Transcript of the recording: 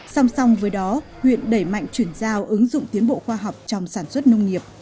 song song với đó huyện đẩy mạnh chuyển giao ứng dụng tiến bộ khoa học trong sản xuất nông nghiệp